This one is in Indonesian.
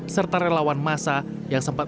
serta relawan masa yang sempat